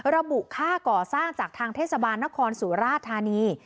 ระบุค่าก่อสร้างจากทางเทศบาลนครสุราธานี